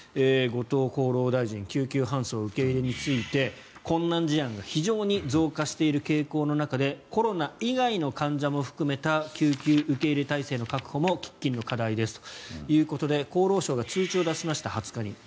後藤厚労大臣救急搬送受け入れについて困難事案が非常に増加している傾向の中でコロナ以外の患者も含めた救急受け入れ体制の確保も喫緊の課題ですということで厚労省が２０日に通知を出しました。